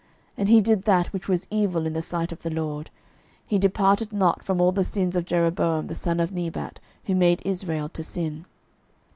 12:014:024 And he did that which was evil in the sight of the LORD: he departed not from all the sins of Jeroboam the son of Nebat, who made Israel to sin.